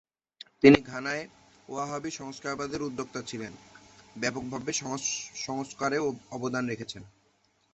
তিনি ঘানায় ওয়াহাবী সংস্কারবাদের উদ্যোক্তা ছিলেন, ব্যাপকভাবে সমাজ সংস্কারে আবদান রাখেন।